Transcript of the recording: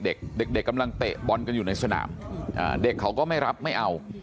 เด็กเด็กกำลังเตะบอลกันอยู่ในสนามเด็กเขาก็ไม่รับไม่เอา